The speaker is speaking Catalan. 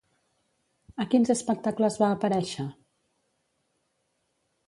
A quins espectacles va aparèixer?